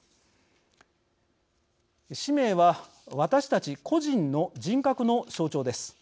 氏名は私たち個人の人格の象徴です。